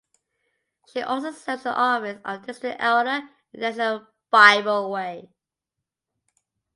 She also serves in the office of District Elder in International BibleWay.